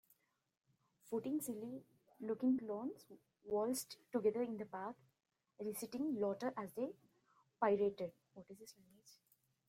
Fourteen silly looking clowns waltzed together in the park eliciting laughter as they pirouetted.